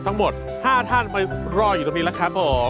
ทั้งหมด๕ท่านไปรออยู่ตรงนี้แล้วครับผม